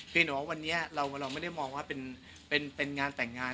เพราะฉะนั้นว่าวันนี้เราไม่ได้มองว่าเป็นงานแต่งงาน